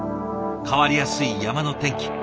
変わりやすい山の天気。